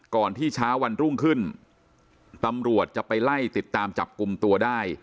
ที่เช้าวันรุ่งขึ้นตำรวจจะไปไล่ติดตามจับกลุ่มตัวได้